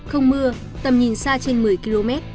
không mưa tầm nhìn xa trên một mươi km